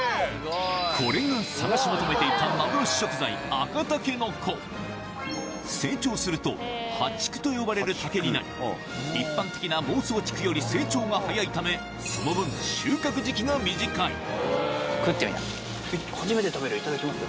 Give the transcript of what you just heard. これが探し求めていた成長すると淡竹と呼ばれる竹になり一般的な孟宗竹より成長が早いためその分初めて食べるいただきます。